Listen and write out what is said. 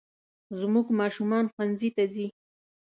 زموږ ماشومان ښوونځي ته ځي